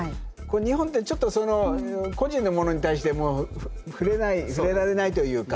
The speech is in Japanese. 日本ってちょっとその個人のものに対して触れない触れられないというか。